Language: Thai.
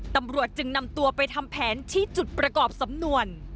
ตำรวจจึงนำตัวไปทำแผนชี้จุดประกอบสำนวน